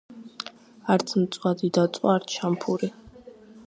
არც მწვადი დაწვა არც შამფური